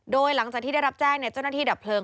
โดยหลังจากที่ได้รับแจ้งเจ้าหน้าที่ดับเพลิง